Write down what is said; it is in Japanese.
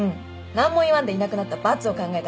何も言わんでいなくなった罰を考えたから。